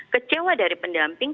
kecewa dari pendamping